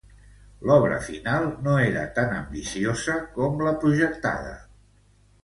L'obra final no era tan ambiciosa com la projectada.